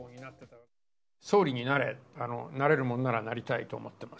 総理になれ、なれるものならなりたいと思ってます。